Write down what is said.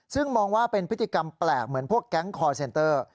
ซึ่งมองว่าเป็นพฤติกรรมแปลกเหมือนพวกแก๊งคอร์เซนเตอร์